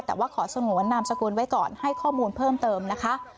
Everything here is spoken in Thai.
แต่ว่าขอสงวนนามสกุลไว้ก่อนให้ข้อมูลเพิ่มเติมนะคะ